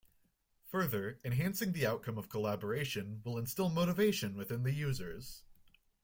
Further, enhancing the outcome of collaboration will instill motivation within the users.